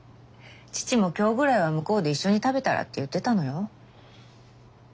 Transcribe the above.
義父も今日ぐらいは向こうで一緒に食べたらって言ってたのよ。